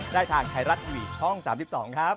ได้ทางไทรัตน์อีวียช่อง๓๒ครับ